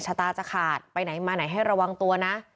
ชะตาจะขาดไปไหนมาไหนให้ระวังตัวนะ